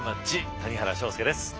谷原章介です。